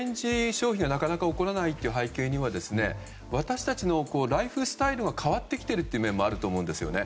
消費がなかなか起こらないという背景には私たちのライフスタイルが変わってきているという面もあると思うんですよね。